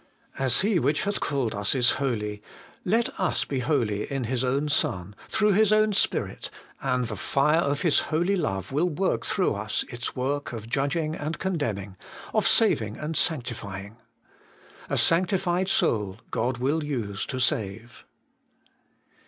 As He which hath called us is holy, let us be holy in His own Son, through His own Spirit, and the fire of His Holy Love will work through us its work of judging and condemning, of saving and sanctifying. A sanctified soul God will use to save.